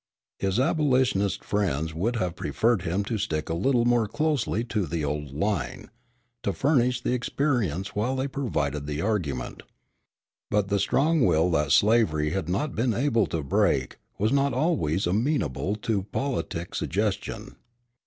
His abolitionist friends would have preferred him to stick a little more closely to the old line, to furnish the experience while they provided the argument. But the strong will that slavery had not been able to break was not always amenable to politic suggestion.